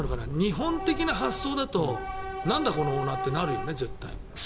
日本的な発想だとなんだ、このオーナーってなるよね、絶対。